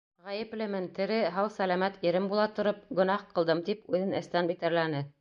Ғәйеплемен, тере, һау-сәләмәт ирем була тороп, гонаһ ҡылдым, тип үҙен эстән битәрләне.